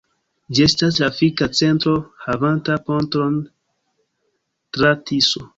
Ĝi estas trafika centro havanta ponton tra Tiso.